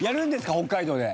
北海道で。